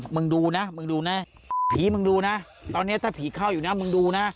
มึงดูนะมึงดูนะผีมึงดูนะตอนนี้ถ้าผีเข้าอยู่นะมึงดูนะ